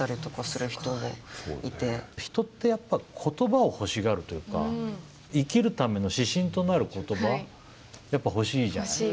人ってやっぱ言葉を欲しがるというか生きるための指針となる言葉やっぱ欲しいじゃない？